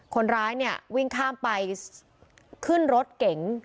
คนร้ายเนี่ยวิ่งข้ามไปขึ้นรถเก๋ง